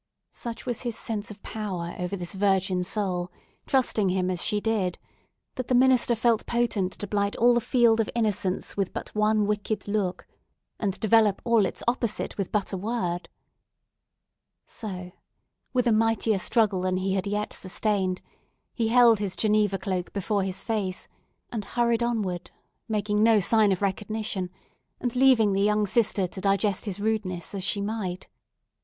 Such was his sense of power over this virgin soul, trusting him as she did, that the minister felt potent to blight all the field of innocence with but one wicked look, and develop all its opposite with but a word. So—with a mightier struggle than he had yet sustained—he held his Geneva cloak before his face, and hurried onward, making no sign of recognition, and leaving the young sister to digest his rudeness as she might.